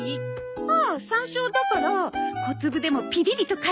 ああ山椒だから小粒でもピリリと辛いわよ。